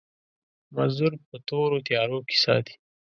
مزدور په تورو تيارو کې ساتي.